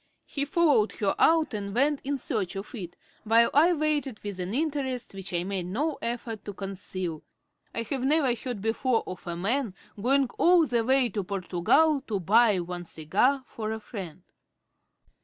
He followed her out and went in search of it, while I waited with an interest which I made no effort to conceal. I had never heard before of a man going all the way to Portugal to buy one cigar for a friend.